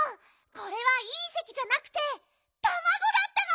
これはいんせきじゃなくてたまごだったの！